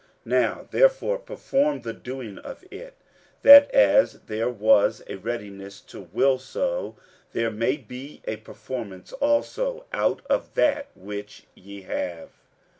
47:008:011 Now therefore perform the doing of it; that as there was a readiness to will, so there may be a performance also out of that which ye have.